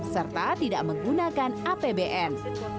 serta tidak menggunakan apbn